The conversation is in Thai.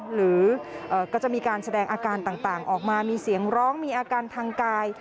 หรือก็จะมีการแสดงอาการต่างออกมามีเสียงร้องมีอาการทางกาย